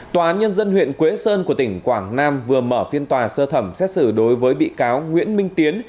tòa án nhân dân huyện quế sơn của tỉnh quảng nam vừa mở phiên tòa sơ thẩm xét xử đối với bị cáo nguyễn minh tiến